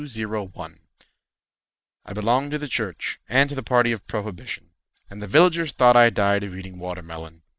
Deacon Taylor I belonged to the church, And to the party of prohibition; And the villagers thought I died of eating watermelon.